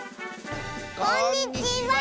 こんにちは！